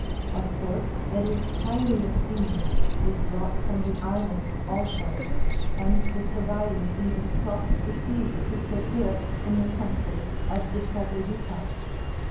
A sort that is highly esteemed is brought from the islands u also, and the Sabaei even cross the sea to procure it in the country of the Troglodytaa.